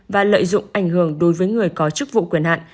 và lợi dụng ảnh hưởng đối với người có chức vụ quyền hạn